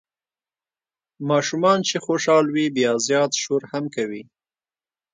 ماشومان چې خوشال وي بیا زیات شور هم کوي.